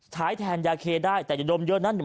ใช้แทนยาเคได้แต่อย่าดมเยอะนะ